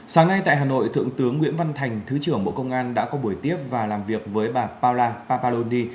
sáng nay tại hà nội thượng tướng nguyễn văn thành thứ trưởng bộ công an đã có buổi tiếp và làm việc với bà paula papuoni